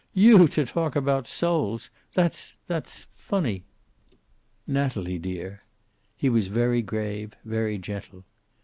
"You to talk about souls! That's that's funny." "Natalie, dear." He was very grave, very gentle.